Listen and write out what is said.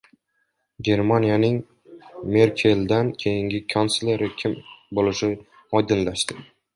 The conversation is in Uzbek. Germaniyaning Merkeldan keyingi kansleri kim bo‘lishi oydinlashdi